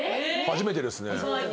初めてですね。